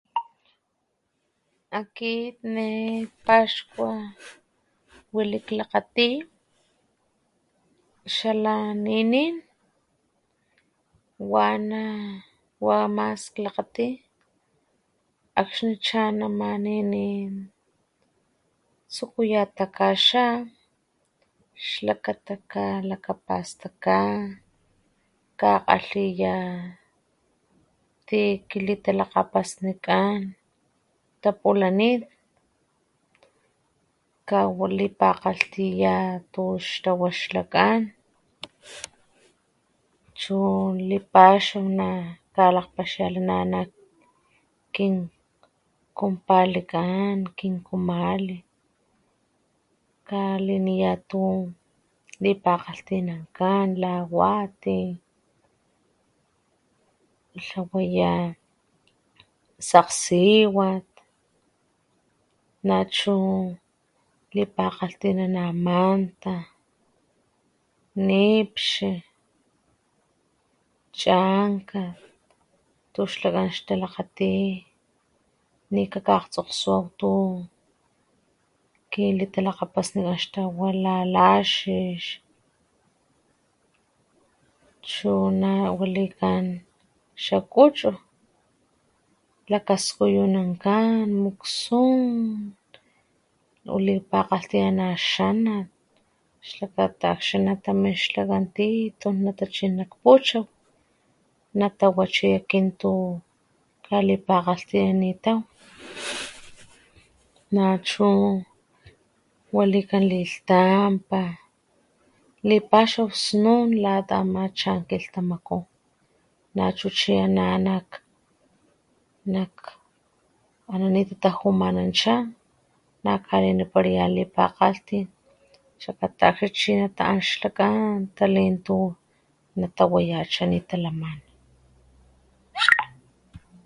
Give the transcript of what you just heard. Akit ne paxkua wili klakgati xala ninin wana wa ama mas klakgati akxi chan ama ninin tsukuya takaxa xlakata kalakapastaka kakgalhiya ti kilitalakgapasnikan tapulanit kawa lipakgalhtiya tu xtawa ix lakgan chu lipaxaw naka lakgpaxialhnana kin kumpalikan kin kumali, kaliniya tu lipakgalhtinankan la wati , tlawaya sakgsiwat nachu lipakgalhtinana manta nipxi, chankat, tu xlakgan xtalakgati nika kakgstsonswaw kilitalakgapasnikan xtawa la laxix chu nawalikan xa kuchu lakaskuyunankan muksun o lipakgalhtinanna xanat xlakata akxni natamin xlakgan titun nata chin nak puchaw natawa chi tu akin lipakgalhtinanitaw nachu walikan lilhtamapa lipaxaw snun lata ama chan ama kilhtamaku nachu chi ana nak ana ni tatajumanancha nakaliniparaya lipakgalhtin xlakata akxni chi nata an xlakgan talin tu natawaya ana nitalamana